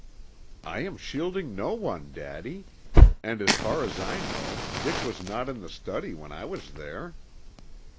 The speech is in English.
"I am shielding no one, Daddy. And as far as I know Dick was not in the study when I was there."